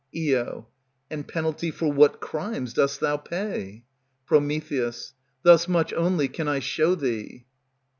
Io. And penalty for what crimes dost thou pay? Pr. Thus much only can I show thee.